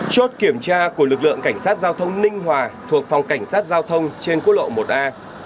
chốt kiểm tra của lực lượng cảnh sát giao thông ninh hòa thuộc phòng cảnh sát giao thông trên quốc lộ một a